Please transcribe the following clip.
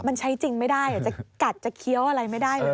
มันใช้จริงไม่ได้จะกัดจะเคี้ยวอะไรไม่ได้เลย